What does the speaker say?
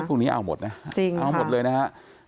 พรุ่งนี้เอาหมดนะเอาหมดเลยนะฮะ